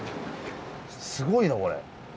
すごいなこれ。